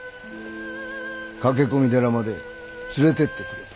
「駆け込み寺まで連れてってくれ」と。